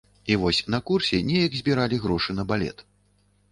І вось на курсе неяк збіралі грошы на балет.